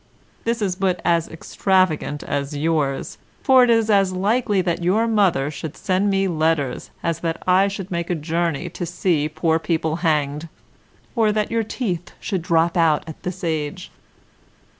This is but as extravagant as yours, for it is as likely that your mother should send me letters as that I should make a journey to see poor people hanged, or that your teeth should drop out at this age.